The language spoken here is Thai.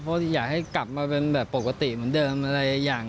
เพราะอยากให้กลับมาเป็นแบบปกติเหมือนเดิมอะไรอย่าง